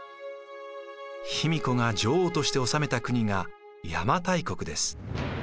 卑弥呼が女王として治めた国が邪馬台国です。